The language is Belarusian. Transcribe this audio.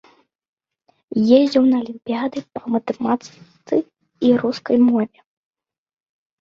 Ездзіў на алімпіяды па матэматыцы і рускай мове.